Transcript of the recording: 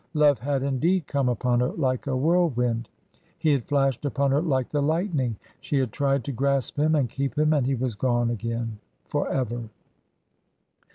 Love had indeed come upon her like a whirlwind, he had flashed upon her like the lightning, she had tried to grasp him and keep him, and he was gone again for ever.